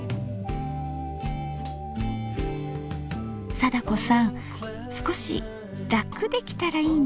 貞子さん少し楽できたらいいなあ。